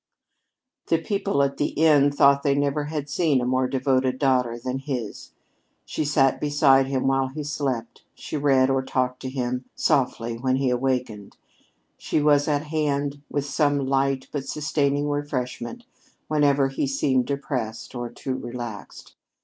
The people at the inn thought they never had seen a more devoted daughter than his. She sat beside him while he slept; she read or talked to him softly when he awakened; she was at hand with some light but sustaining refreshment whenever he seemed depressed or too relaxed.